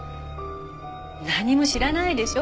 何も知らないでしょ？